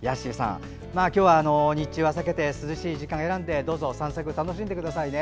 今日は日中は避けて涼しい時間を選んでどうぞ散策、楽しんでくださいね。